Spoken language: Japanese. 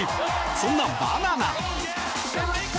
そんなバナナ！